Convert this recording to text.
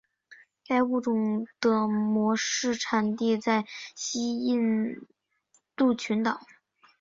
该物种的模式产地在西印度群岛。